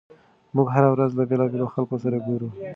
موږ هره ورځ له بېلابېلو خلکو سره ګورو.